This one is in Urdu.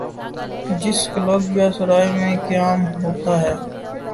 جس کلب یا سرائے میں قیام ہوتا ہے۔